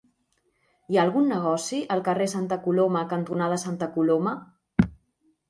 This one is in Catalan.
Hi ha algun negoci al carrer Santa Coloma cantonada Santa Coloma?